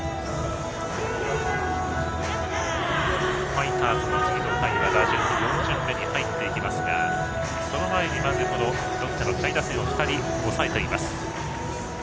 ファイターズ、次の回は打順が４巡目に入りますがその前にまずロッテの下位打線を２人抑えています。